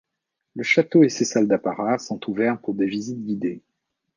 Le château et ses salles d'apparat sont ouverts pour des visites guidées.